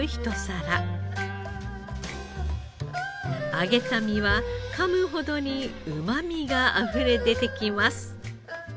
揚げた身はかむほどにうまみがあふれ出てきます。